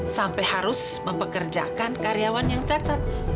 sampai harus mempekerjakan karyawan yang cacat